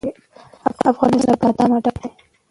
افغانستان له بادام ډک دی.